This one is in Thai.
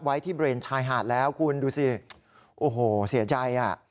ไว้ที่เบรนชายหาดแล้วคุณดูสิโอ้โหเสียใจอ่ะ